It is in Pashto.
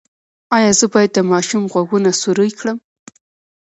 ایا زه باید د ماشوم غوږونه سورۍ کړم؟